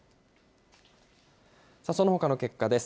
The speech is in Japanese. そのほかの結果です。